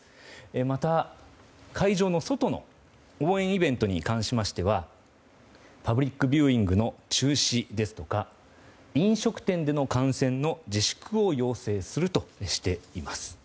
また、会場の外の応援イベントに関しましてはパブリックビューイングの中止ですとか飲食店での観戦の自粛を要請するとしています。